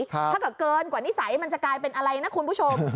ถ้าเกิดเกินกว่านิสัยมันจะกลายเป็นอะไรนะคุณผู้ชม